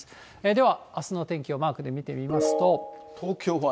ではあすのお天気をマークで見てみますと。